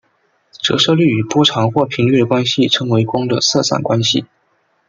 折射率与波长或者频率的关系称为光的色散关系。